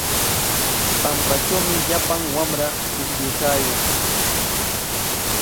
Pampatrawmi llapan wamra pukllaykaayan.